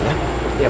terima kasih pak